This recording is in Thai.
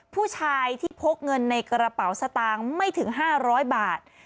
ผู้ชายที่พกเงินในกระเป๋าสตางค์ไม่ถึง๕๐๐บาท